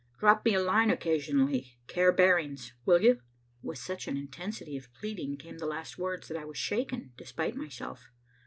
Drop me a line occasionally, care Barings, will you?" With such an intensity of pleading came the last words that I was shaken despite myself.